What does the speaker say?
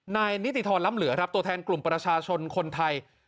นิติธรรมล้ำเหลือครับตัวแทนกลุ่มประชาชนคนไทย